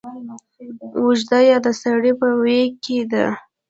اوږده يا د سړې په ویي کې ده